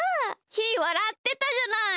ひーわらってたじゃない。